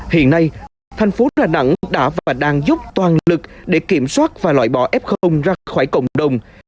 hiện nay thành phố đà nẵng đã và đang giúp toàn lực để kiểm soát và loại bỏ f ra khỏi cộng đồng